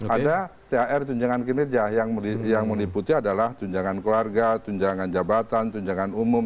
ada thr tunjangan kinerja yang meliputi adalah tunjangan keluarga tunjangan jabatan tunjangan umum